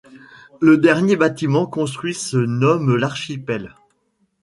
Le dernier bâtiment construit se nomme L'Archipel.